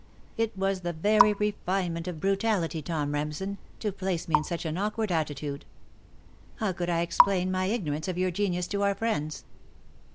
It was the very refinement of brutality, Tom Remsen, to place me in such an awkward attitude! How could I explain my ignorance of your genius to our friends?